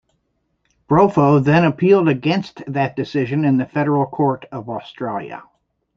Bropho then appealed against that decision in the Federal Court of Australia.